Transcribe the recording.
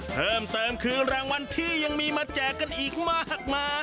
เพิ่มเติมคือรางวัลที่ยังมีมาแจกกันอีกมากมาย